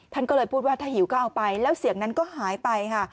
ท่านก็เลยพูดว่าถ้าหิวก็เอาไปแล้วเสียงนั้นก็หายไปค่ะ